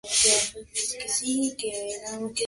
Finalmente ocupó la tercera posición en la general.